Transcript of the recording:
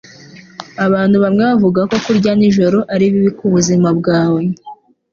Abantu bamwe bavuga ko kurya nijoro ari bibi kubuzima bwawe.